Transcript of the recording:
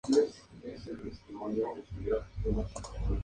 Esta obra fue concluida por Charles Dillon Perrine.